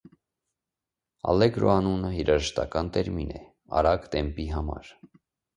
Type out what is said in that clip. Ալլեգրո անունը երաժշտական տերմին է արագ տեմպի համար։